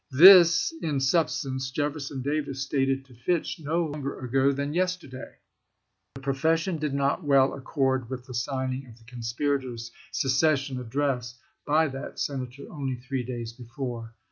This, in substance, Jefferson Davis stated to Fitch no longer ago than yesterday." The profession did not well accord with the signing of the conspirators' secession address by that Senator only three days before.